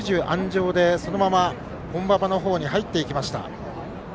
鞍上でそのまま本馬場のほうに入っていきました。